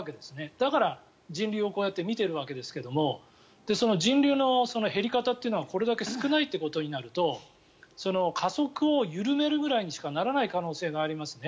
だから、人流をこうやって見ているわけですけど人流の減り方というのがこれだけ少ないということになると加速を緩めるくらいにしかならない可能性がありますね。